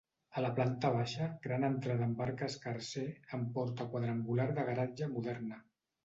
A la planta baixa, gran entrada amb arc escarser, amb porta quadrangular de garatge moderna.